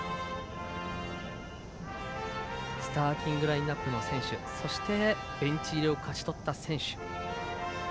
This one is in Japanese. スターティングラインアップの選手そして、ベンチ入りを勝ち取った選手。